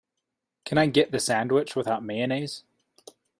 Can I get the sandwich without mayonnaise?